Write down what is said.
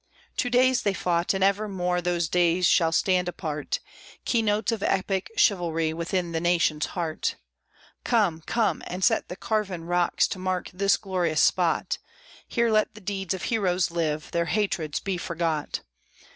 Two days they fought, and evermore those days shall stand apart, Keynotes of epic chivalry within the nation's heart. Come, come, and set the carven rocks to mark this glorious spot; Here let the deeds of heroes live, their hatreds be forgot.